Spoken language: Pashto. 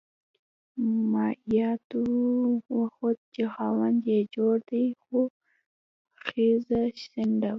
معایناتو وخوده چې خاوند یي جوړ دې خو خځه شنډه ده